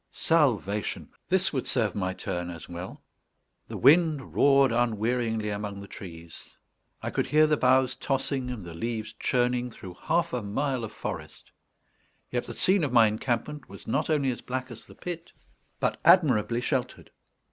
Salvation! This would serve my turn as well. The wind roared unwearyingly among the trees; I could hear the boughs tossing and the leaves churning through half a mile of forest; yet the scene of my encampment was not only as black as the pit, but admirably sheltered.